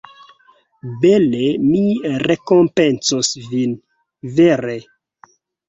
Bele mi rekompencos vin, vere!